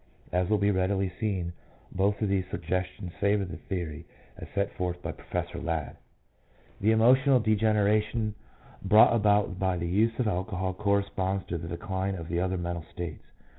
As will be readily seen, both of these suggestions favour the theory as set forth by Professor Ladd. EMOTIONS. 165 The emotional degeneration brought about by the use of alcohol corresponds to the decline of the other mental states.